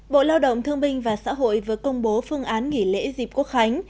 bộ lao động thương binh và xã hội vừa công bố phương án nghỉ lễ dịp quốc khánh